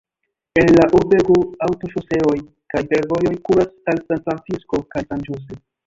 El la urbego aŭtoŝoseoj kaj fervojoj kuras al San Francisco kaj San Jose.